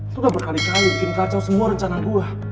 lo udah berkali kali bikin kacau semua rencana gue